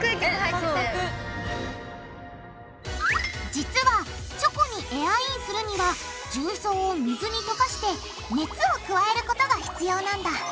実はチョコにエアインするには重曹を水に溶かして熱を加えることが必要なんだ！